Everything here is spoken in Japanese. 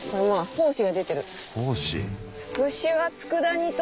胞子。